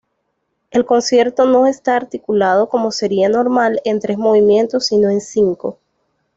El concierto no está articulado, como sería normal, en tres movimientos, sino en cinco.